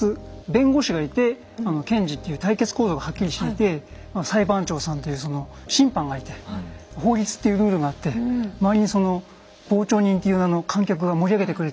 弁護士がいて検事っていう対決構造がはっきりしてて裁判長さんっていうその審判がいて法律っていうルールがあって周りにその傍聴人という名の観客が盛り上げてくれて。